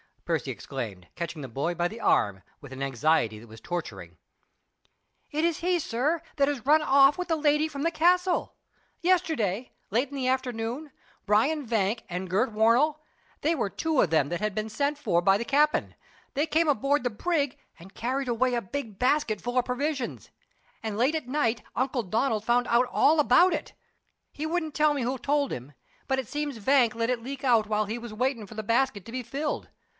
Percy exclaimed, catching the boy by the arm, with an anxiety that was torturing. "It's he, sir, that has run off with the lady from the castle! Yesterday late in the afternoon Bryan Vank and Gurt Warnell they were two of them that had been sent for by the cap'n they came aboard the brig and carried away a big basket full of provisions; and late at night Uncle Donald found out all about it. He wouldn't tell me who told him; but it seems Vank let it leak out while he was waitin' for the basket to be filled.